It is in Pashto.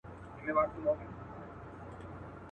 څنګه دا کور او دا جومات او دا قلا سمېږي.